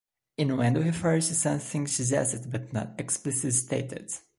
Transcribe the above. "Innuendo" refers to something suggested but not explicitly stated.